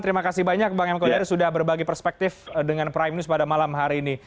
terima kasih banyak bang m kodar sudah berbagi perspektif dengan prime news pada malam hari ini